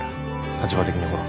立場的にほら。